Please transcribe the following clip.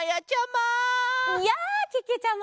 やあけけちゃま！